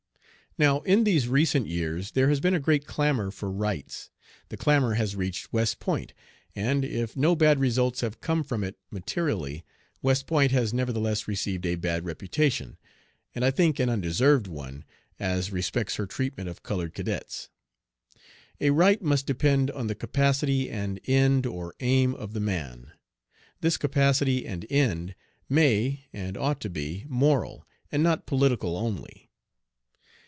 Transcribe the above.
Now in these recent years there has been a great clamor for rights. The clamor has reached West Point, and, if no bad results have come from it materially, West Point has nevertheless received a bad reputation, and I think an undeserved one, as respects her treatment of colored cadets. A right must depend on the capacity and end or aim of the man. This capacity and end may, and ought to be, moral, and not political only.